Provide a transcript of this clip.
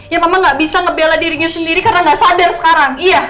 yang mama gak bisa ngebela dirinya sendiri karena gak sadar sekarang iya